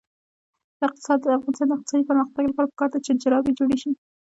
د افغانستان د اقتصادي پرمختګ لپاره پکار ده چې جرابې جوړې شي.